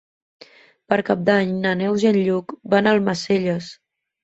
Per Cap d'Any na Neus i en Lluc van a Almacelles.